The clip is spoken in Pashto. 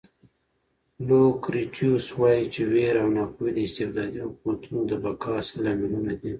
لوکریټیوس وایي چې وېره او ناپوهي د استبدادي حکومتونو د بقا اصلي لاملونه دي.